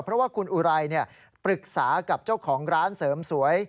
เพราะว่าคุณอุไรปรึกษากับเจ้าของร้านเสริมสวย